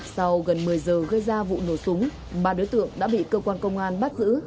sau gần một mươi giờ gây ra vụ nổ súng ba đối tượng đã bị cơ quan công an bắt giữ